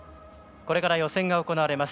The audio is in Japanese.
これから予選が行われます